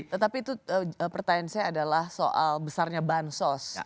tetapi itu pertanyaan saya adalah soal besarnya bansos